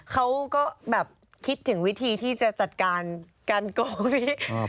เขาก็แบบคิดถึงวิธีที่จะจัดการการโกงพี่